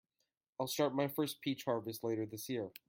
I'll start my first peach harvest later this year.